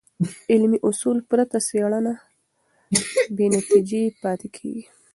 علمي اصول پرته څېړنې بېنتیجه پاتې کېږي.